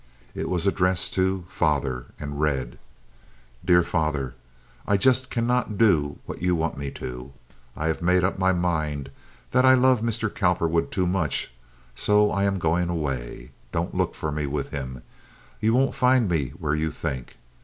It was addressed to "Father," and read: Dear Father,—I just cannot do what you want me to. I have made up my mind that I love Mr. Cowperwood too much, so I am going away. Don't look for me with him. You won't find me where you think.